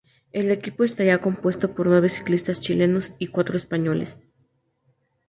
El equipo estaría compuesto por nueve ciclistas chilenos y cuatro españoles.